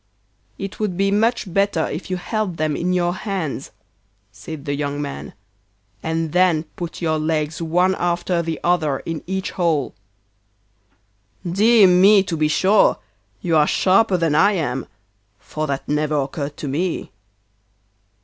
'It would be much better if you held them in your hands,' said the young man, 'and then put your legs one after the other in each hole.' 'Dear me to be sure! You are sharper than I am, for that never occurred to me.